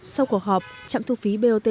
sau cuộc họp trạm thu phí bot